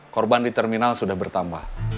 korban di terminal sudah bertambah